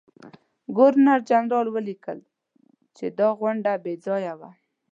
ګورنرجنرال ولیکل چې دا غونډه بې ځایه وه.